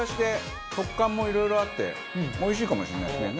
食感もいろいろあっておいしいかもしれないですね。